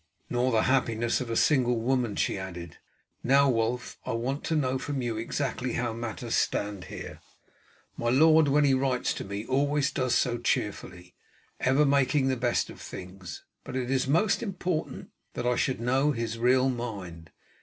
"Nor the happiness of a single woman," she added. "Now, Wulf, I want to know from you exactly how matters stand here. My lord, when he writes to me always does so cheerfully, ever making the best of things; but it is most important that I should know his real mind.